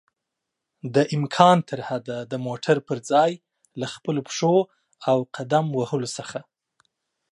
دامکان ترحده د موټر پر ځای له خپلو پښو او قدم وهلو څخه